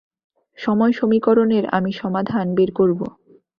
সময় সমীকরণের আমি সমাধান বের করব।